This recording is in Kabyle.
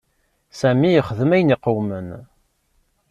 Sami yexdem ayen iqewmen.